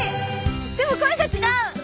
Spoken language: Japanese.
でも声が違う！